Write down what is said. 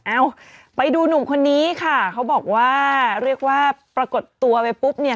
เอ้าไปดูหนุ่มคนนี้ค่ะเขาบอกว่าเรียกว่าปรากฏตัวไปปุ๊บเนี่ย